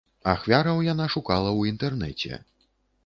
Ахвяраў яна шукала ў інтэрнэце.